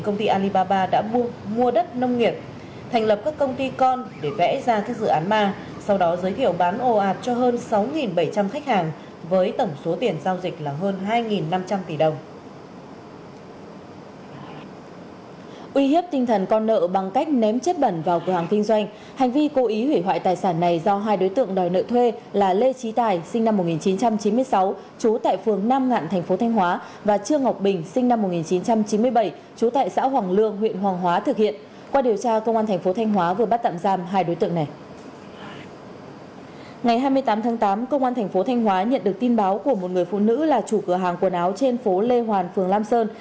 ngày hai mươi tám tháng tám công an tp thanh hóa nhận được tin báo của một người phụ nữ là chủ cửa hàng quần áo trên phố lê hoàn phường lam sơn